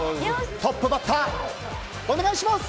トップバッターお願いします。